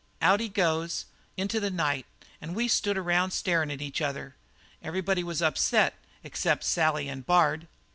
Out he goes into the night, and we stood around starin' at each other. Everybody was upset, except Sally and Bard.